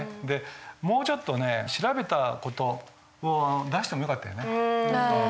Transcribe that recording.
でもうちょっとね調べた事を出してもよかったよね。